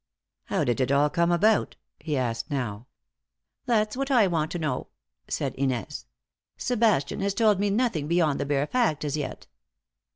"How did it all come about?" he asked now. "That's what I want to know," said Inez. "Sebastian has told me nothing beyond the bare fact as yet."